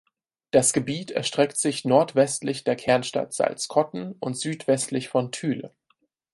Das Gebiet erstreckt sich nordwestlich der Kernstadt Salzkotten und südwestlich von Thüle.